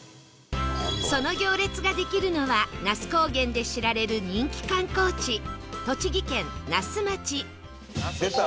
その行列ができるのは那須高原で知られる人気観光地栃木県那須町出た！